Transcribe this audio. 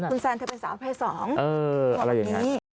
คุณแซนเธอเป็นสาวแพร่๒ตอนนี้อะไรอย่างนั้น